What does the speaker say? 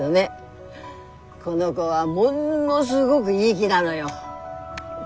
この子はもんのすごぐいい木なのよ。